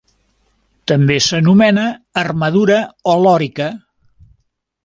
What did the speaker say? També s'anomena armadura o lorica.